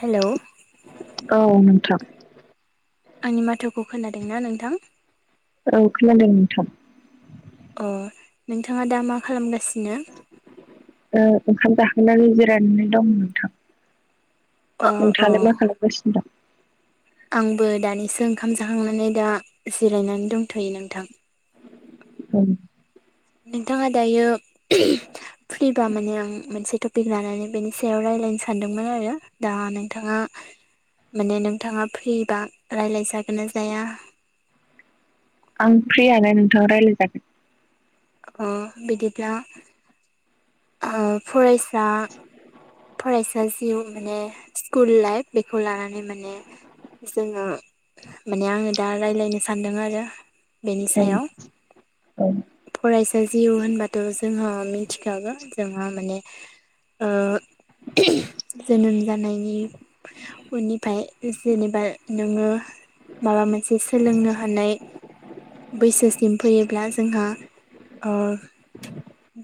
Hello औ नोंथां आंनि माथोखौ खोनादोंना नोंथां? औ खोनादों नोंथां। अ नोंथाङा दा मा खालामगासिनो? ओ ओंखाम जाखांनानै जिरायनानै दं नोंथां अ अ नोंथाङालाय मा खालाम गासिनो दं? आंबो दानिसो ओंखाम जाखांनानै दा जिरायनानै दंथ'यो नोंथां। औ नोंथाङा दायो फ्रिबा माने आं मोनसे ट पिग लानानै बेनि सायाव रायज्लायनो सानदोंमोन आरो दा नोंथाङा माने नोंथाङा फ्रिबा रायज्लाय जागोन ना जाया? आं फ्रियानो नोंथां रायज्लाय जागोन। अ बिदिब्ला ओ फरायसा फरायसा जिउ माने कुल लाइफ बेखौ लानानै माने जोङो माने आङो दा रायज्लायनो सानदों आरो बेनि सायाव। औ फरायसा जिउ होनबाथ' जोंहा मिथिखागोन जोंहा माने ओ जोनोम जानायनि उनि फाय जेनेबा नोङो माबा मोनसे सोलोंनो हानाय। बैसोसिम फैयोब्ला जोंहा ओ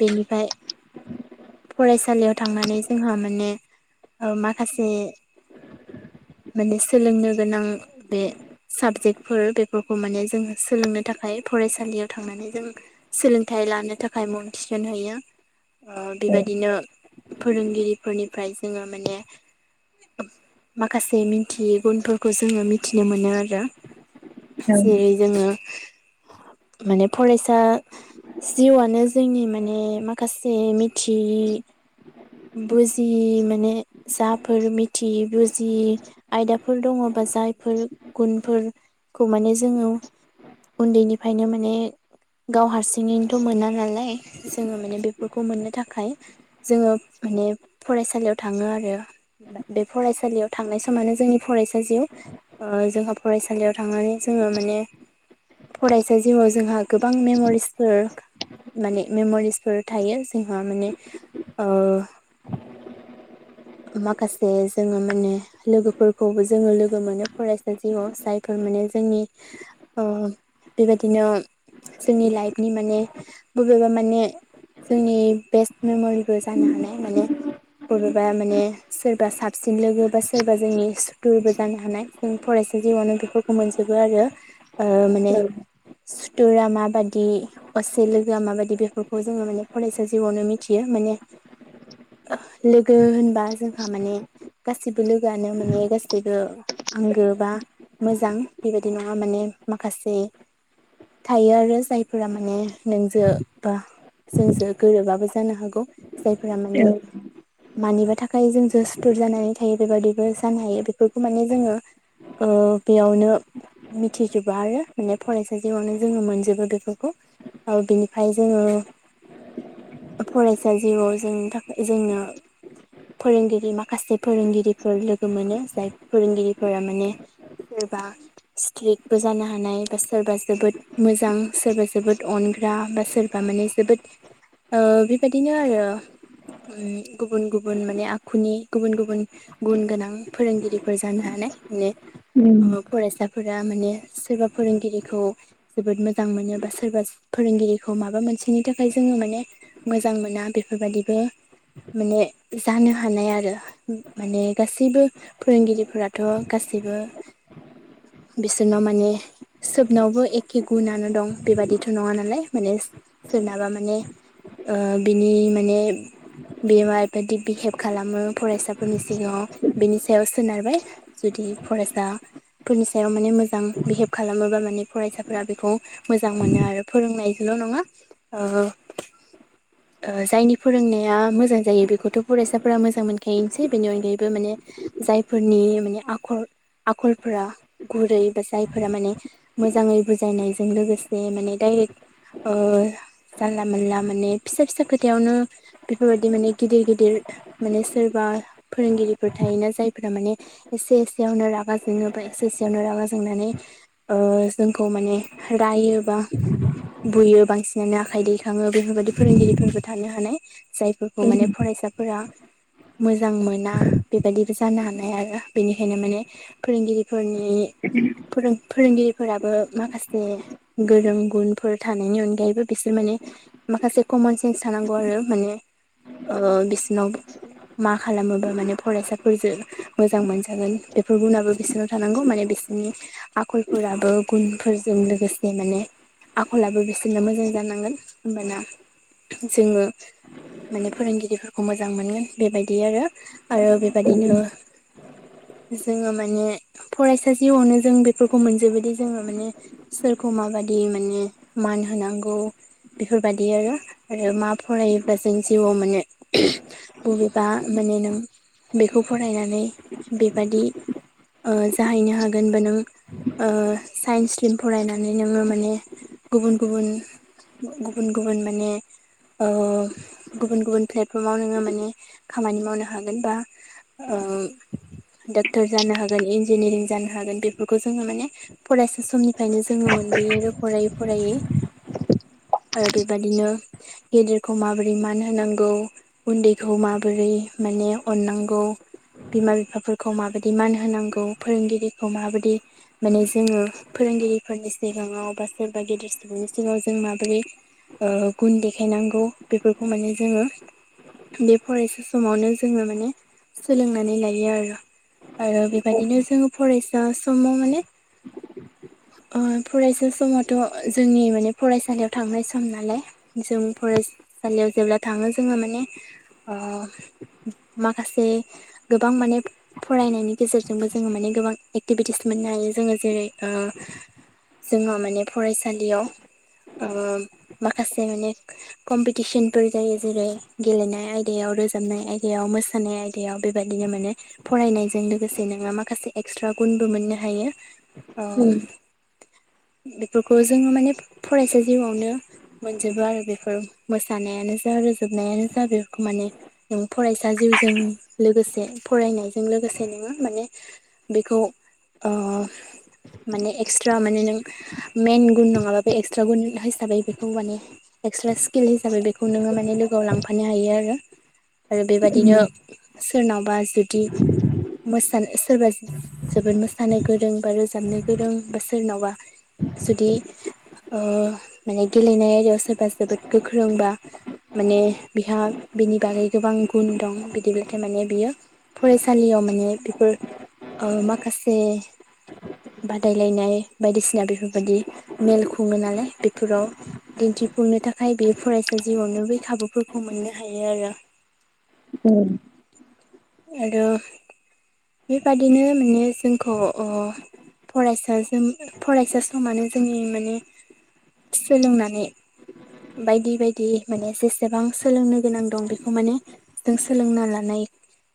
बेनिफ्राय फरायसालियाव थांनानै जोंहा माने ओ माखासे माने सोलोंनो गोनां बे साबजेक्टफोर बेफोरखौ माने जोंङो सोलोंनो थाखाय फरायसालियाव थांनानै जों सोलों थाइ लानो थाखाय मुं थिसनहैयो ओ औ बेबायदिनो फोरोंगिरिफोरनिफ्राय जोङो माने गासै मिथियै गुनफोरखौ जोङो मिथिनो मोनो आरो औ जेरै जोङो मोने फरायसा दा जिउआनो जोंनि माने माखासे थियि बुजियि माने जाफोर मिथि जि आयदाफोर दङबा जायफोर गुनफोर खौ माने जोङो उन्दैनिफ्रायनो माने गाव हारसिङैनोथ' मोना नालाय जोङो माने बेफोरखौ मोननो थाखाय जोङो माने फरायसालियाव थाङो आरो बे फरायसालियाव थांनाय समानो जोंनि फरायसा जिउ ओ जोंहा फरायसालियाव थांनानै जोङो माने फरायसा जिउआव जोंहा गोबां मेम'रिसफोर माने मेमरिसफोर थायो जोंहा माने ओ माखासे जोङो माने लोगोफोरखौबो जोङो लोगो मोनो फरायसा जिउआव जायफोर माने जोंनि ओ बेबायदिनो जोंनि लाइफनि माने बबेबा माने जोंनि बेस्ट मेमरिबो जानो हानाय माने बबेबा माने सोरबा साबसिन लोगो बा सोरबा जोंनि सुथुरबो जानो हानाय जों फरायसा जिउआवनो बेफोरखौ मोनजोबो आरो। ओ माने औ सुथुरा माबादि असे लोगोआ माबायदि बेफोरखौ जोङो माने फरायसा जिउआवनो मिथियो माने लोगो होनबा जोंहा माने गासैबो लोगोआनो माने गासैबो आंगो बा मोजां बेबायदि नङा माने माखासे थायो आरो जायफोरा माने नोंजों बा जोंजों गोरोबाबो जानो हागौ। जायफोरा माने मानिबा थाखाय जों जों सुथुर जानाय थायो बेबादिबो जानो हायो बेफोरखौ माने जोङो ओ बेयावनो मिथिजोबबा आरो माने फरायसा जिउआवनो जोङो मोनजोबो बेफोरखौ। बिनिफ्राय जोङो फरायसा जिउआव जोंनि थाखाय जोंनो फोरोंगिरि माखासे फोरोंगिरिफोर लोगो मोनो जाय फोरोंगिरिफोरा माने सोरबा स्ट्रिकबो जानो हानाय बा सोरबा जोबोद मोजां सोरबा जोबोद अनग्रा बा सोरबा माने जोबोद। ओ बेबायदिनो आरो उम गुबुन गुबुन माने आखुनि गुबुन गुबुन गुन गुन गोनां फोरोंगिरिफोर जानो हानाय माने उम ओ फरायसाफोरा माने सोरबा फोरोंगिरिखौ जोबोद मोजां मोनो बा सोरबा फोरोंगिरिखौ माबा मोनसेनि थाखाय जोङो माने मोजां मोना बेफोरबायदिबो माने जानो हानाय आरो। माने गासैबो फोरोंगिरिफोराथ' गासैबो। बिसोरनाव माने सोबनावबो एखे गुनानो दं बेबादिथ' नङा नालाय माने सोरनाबा माने ओ बिनि माने बियो माबादि बिहेभ खालामो फरायसा फोरनि सिगाङाव बेनि सायाव सोनारबाय जुदि फरायसा फोरनि सायाव माने मोजां बिहेभ खालामोबा माने फरायसाफोरा बेखौ मोजां मोनो आरो फोरोंनायजोंल' नङा ओ ओ जायनि फोरोंनाया मोजां जायो बेखौथ' फरायसाफोरा मोजां मोनखायो सो बेनि अनगायैबो माने जायफोरनि माने आखर आखलफोरा गुरै बा जायफोरा माने मोजाङै बुजायनायजों लोगोसे माने डाइरेक्ट ओ जानला मोनानला माने फिसा फिसा खोथायावनो बेफोरबायाददि माने गिदिर गिदिर माने सोरबा फोरोंगिरिफोर थायोना जायफोरा माने एसे एसेयावनो रागा जोङोबा एसे एसेयावनो रागा जोंनानै ओ जोंखौ माने रायोबा बुयो बांसिनानो आखाइ दैखाङो बेफोरबायदि फोरोंगिरिफोरबो थानो हानाय जाय फोरखौ माने उम फरायसाफोरा मोजां मोना बेबायदिबो जानो हानाय आरो बेनिखायनो माने फोरोंगिरि फोरनि फोरों फोरोंगिरि फोराबो माखासे गोरों गुनफोर थानायनि अनगायैबो बिसोर माने माखासे कमन सेन्स थानांगौ आरो माने ओ बिसनाव मा खालामोबा माने फरायसाफोरजों मोजां मोनजागोन बेफोर गुनाबो बिसोरनाव थानांगौ माने बिसोरनि आखलफोराबो गुनफोरजों लोगोसे माने आखलाबो बिसोरनो मोजां जानांगोन होमबाना जोङो माने फोरोंगिरिफोरखौ मोजां मोनगोन बेबायदि आरो आरो औ बेबायदिनो जोङो माने फरायसा जिउआवनो जों बेफोरखौ मोनजोबोदि जोङो माने सोरखौ माबादि माने मान होनांगौ बेफोरबायदियो आरो आरो मा फरायोब्ला जों जिउआव मोने बबेबा माने नों बेखौ फरायनानै बेबादि ओ जाहैनो हागोन बा नों ओ साइन्स स्ट्रिम फरायनानै नोङो माने गुबुन गुबुन गुबुन गुबुन माने ओ गुबुन गुबुन प्लेटफर्माव नोङो माने खामानि मावनो हागोन बा ओ डक्टर जानो हागोन इन्जिनियारिं जानो हागोन बेफोरखौ जोङो माने फरायसा समनिफ्रायनो जोङो मोनबोयो आरो फरायै फरायै आरो बेबादिनो गेदेरखौ माबोरै मान होनांगौ उन्दै खौ माबोरै माने अननांगौ बिमा बिफाफोरखौ माबायदि मान होनांगौ फोरोंगिरिखौ माबायदि माने जोङो फोरोंगिरिफोरनि सिगाङाव बा सोरबा गेदेर सुबुंनि सिगाङाव जों माबोरै ओ गुन देखायनांगौ बेफोरखौ माने जोङो बे फरायसा समावनो जोङो माने सोलोंनानै लायो आरो आरो बेबायदिनो जोङो फरायसा समाव माने ओ फरायसा समावथ' जोंनि माने फरायसालियाव थांनाय सम नालाय जों फरायसालियाव जेब्ला थाङो जोङो माने ओ माखासे गोबां माने फरायनायनि गेजेरजोंबो जोङो माने गोबां एक्टिभिटिस मोननो हायो जोङो जेरै ओ जोंहा माने फरायसालियाव ओ माखासे माने कमपिटिसनफोर जायो जेरै गेलेनाय आयदायाव रोजाबनाय आयदायाव मोसानाय आयदायाव बेबायदिनो माने फरायनायजों लोगोसे नोङो माखासे एक्सट्रा गुनबो मोननो हायो। ओ उम बेफोरखौ जोङो माने फरायसा जिउआवनो मोनजोबो आरो बेफोर मोसानायानो जा रोजोबनायानो जा बेफोर माने नों फरायसा जिउजों लोगोसे फरायनायजों लोगोसे नोङो माने बेखौ ओ माने एक्सट्रा माने नों मेन गुन नङाबा बे एक्सट्रा गुन हिसाबै बेखौ माने एक्सट्रा स्किल हिसै बेखौ नोङो माने लोगोआव लांफानो हायो आरो बेबायदिनो सोरनावबा जुदि मोस [unintelligible] सोरबा जोबोद मोसानो गोरों बा रोजाबनो गोरों बा सोरनावबा जुदि ओ माने गेलेनाय आयदायाव सोरबा जोबोद गोख्रोंबा माने बिहा बिनि बागै गोबां गुन दं बिदिब्लाथाय माने बियो फरायसालियाव माने बेफोर ओ माखासे बादायलायनाय बायदिसिना बेफोरबायाददि मेल खुङो नालाय बेफोराव दिन्थिफुंनो थाखाय बे फरायसा जिउआवनो बै खाबुफोरखौ मोननो हायो आरो। औ आरो बेबादिनो माने जोंखौ ओ फरायसा जों फरायसा समानो जोंनि माने सोलोंनानै बायदि बायदि माने जेसेबां सोलोंनो गोनां दं बेखौ माने जों सोलोंना लानाय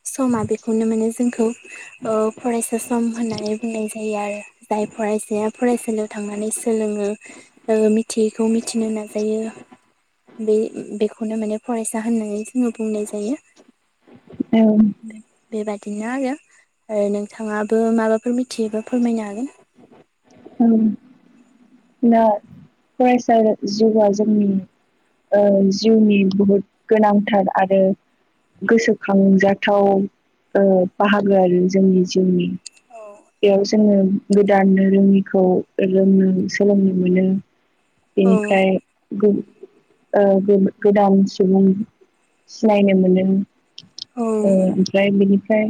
समा बेखौनो माने जोंखौ ओ फरायसा सम होननानै बुंनाय जायो आरो। जाय फरायसाया फरायसालियाव थांनानै सोलोङो मिथियैखौ मिथिनो नाजायो बे बेखौनो माने फरायसा होननानै जोङो बुंनाय जायो। औ बेबादिनो आरो नोंथाङाबो माबाफोर मिथियोबा फोरमायनो हागोन। ओं दा फरायसा जिउआ जोंनि ओ जिउनि बुहुद गोनांथार आरो गोसोखांजाथाव ओ बाहागो आरो जोंनि जिउनि। बेयाव जोङो गोदाननो रोङि खौ लोंनो सोलोंनो मोनो बेनिफ्राय गु ओ गु-गोदान सुबुं सिनायनो मोनो औ ओ ओमफ्राय बेनिफ्राय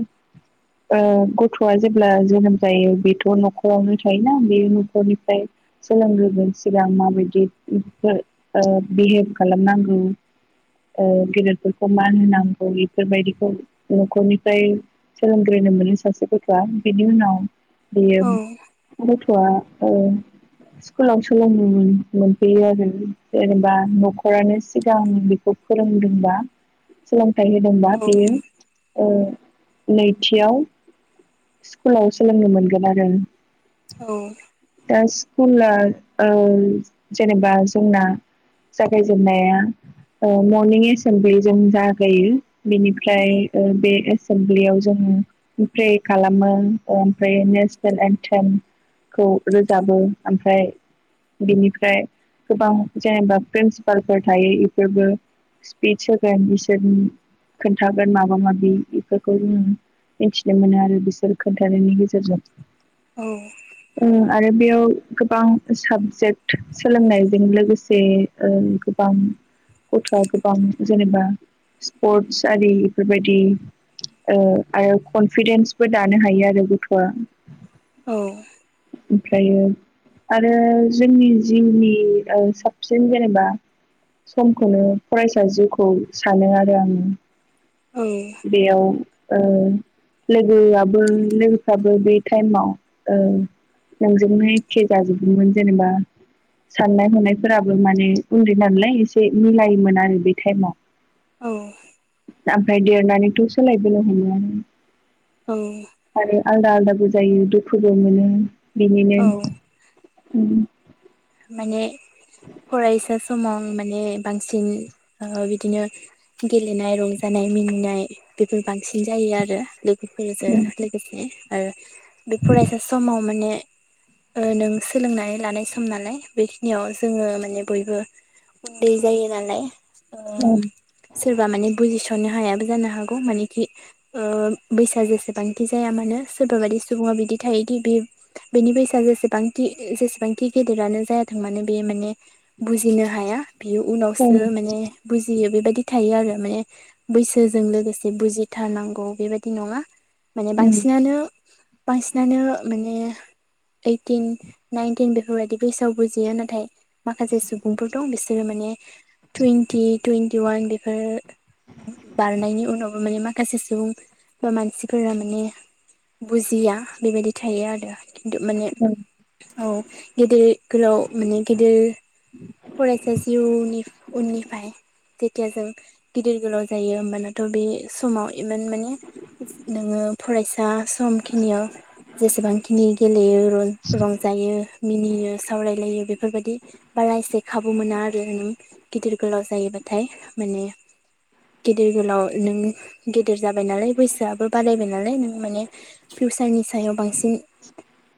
गथ'आ जेब्ला जोनोम जायो बेथ' न'खरावनो थायो [unintelligible] बे नखरनिफ्राय सोलोंग्रोगोन सिगां माबायदि ओ बिहेभ खालामनांगौ ओ गेदेरफोरखौ मान होनांगौ बेफोरबायदिखौ न'खरनिफ्राय सोलोंग्रोनो मोनो सासे गथ'आ बेनि उनाव बेयो औ गथ'आ ओ स्कुलाव सोलोंनो मोन- मोनफैयो आरो जेनेबा न'खरानो सिगां फोरोंदोंबा सोलोंथाइ होदोंबा औ बेयो ओ नैथियाव स्कुलाव सोलोंनो मोनगोन आरो। औ दा स्कुला ओ जेनेबा जोंना जागायजेननाया ओ मरनिं एसेमब्लिजों जागायो। बेनिफ्राय ओ बे एसे मब्लियाव जों प्रे खालामो ओमफ्राय नेसनेल एन्टेम खौ रोजाबो ओमफ्राय बेनिफ्राय गोबां जेनेबा प्रिन्सिपालफोर थायो इफोरबो स्पिस होगोन बिसोरनि खोन्थागोन माबा माबि बेफोरखौ जोङो मिथिनो मोनो आरो बिसोर खोन्थानायनि गेजेरजों। औ। ओ आरो बेयाव गोबां साबजेक्ट सोलोंनायजों लोगोसे गोबां गथ'आ गोबां जेनेबा स्पर्टस आरि बेफोरबायदि आरो कनफिदेन्सबो दानो हायो आरो गथ'आ। औ। ओमफ्रायो आरो जोंनि जिउनि साबसिन जेनेबा समखौनो फरायसा जिउखौ सानो आरो आङो। औ। बेयाव लोगोआबो लोगोफ्राबो बे टाइमाव ओ नोंजोंनो एखे जाजोबदोंमोन जेनेबा साननाय हनायफोराबो माने उन्दै नालाय एसे मिलायोमोन आरो बे टाइमाव। औ। ओमफ्राय देरननानैथ' सोलाय बोनांगोन ना। औ। आरो आलदा आलदाबो जायो दुखुबो मोनो बिनिनो औ माने फरायसा समाव माने बांसिन बिदिनो गेलेनाय रंजानाय मिनिनाय बेफोर बांसिन जायो आरो। बेफोरजों लोगोसे आरो बे फरायसा समाव माने नों सोलोंनाय लानायसो सम नालाय बेखिनियाव जोङो माने बयबो उन्दै जायो नालाय औ सोरबा माने बुजिस'ननो हायाबो जानो हागौ मानेखि ओ बैसोआ जेसेबांखि जाया मानो सोरबा बायि सुबुङा बिदि थायोदि बे बेनि बैसा जेसेबां खि जेसेबां खि गेदेरानो जायाथों मानो बे माने बुजिनो हाया बियो उनावसो औ माने बुजियो बेबायदि थायो आरो माने बैसोजों लोगोसे बुजिथारनांगौ बेबायाददि नङा। माने बांसिनानो बांसिनानो माने ओइटिन नाइनटिन बे बेफोरबायदि बैसोआव बुजियो नाथाय माखासे सुबुंफोर दं बिसोरो माने तुयेन्थि थुय न्थिवान बेफोर बारनायनि उनावबो माने माखासे सुबुं बा मानसिफोरा माने बुजिया बेबायदि थायो आरो। खिन्थु माने औ औ गेदेर गोलाव माने गेदेर फरायसा जिउनि उनिफाय जेथिया जों गिदिर गोलाव जायो होमबानाथ' बे समाव इमान माने नोङो फरायसा समखिनियाव जेसेबांखिनि गेलेयो रंजायो मिनियो सावरायलायो बेफोरबायदि बारा एसे खाबु मोना आरो नों गिदिर गोलाव जायोबाथाय माने गिदिर गोलाव नों गेदेर जाबाय नालाय बैसोआबो बारायबाय नालाय नों माने फिउसारनि सायाव बांसिन [unintelligible]